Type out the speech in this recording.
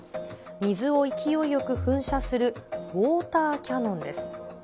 水を勢いよく噴射する、ウオーターキャノンです。